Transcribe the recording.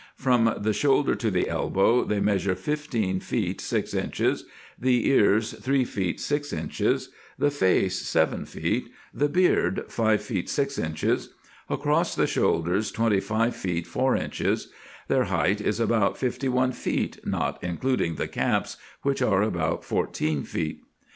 From the shoulder to the elbow they measure fifteen feet six inches ; the ears three feet six inches ; the face seven feet ; the beard five feet six inches ; across the shoulders twenty five feet four inches ; their height is about fifty one feet, not including the caps, which are about fourteen feet.